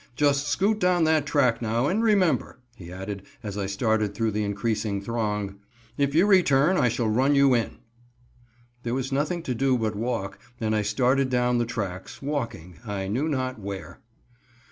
Just scoot down that track, now, and remember," he added, as I started through the increasing throng, "if you return I shall run you in." There was nothing to do but walk, and I started down the tracks, walking I knew not where.